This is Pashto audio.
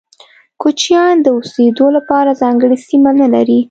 کوچيان د اوسيدو لپاره ځانګړي سیمه نلري.